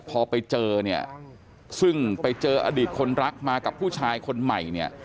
พอไปเจอเนี่ยซึ่งไปเจออดีตคนรักมากับผู้ชายคนใหม่เนี่ย